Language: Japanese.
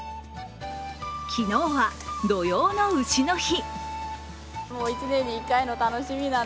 昨日は土用の丑の日。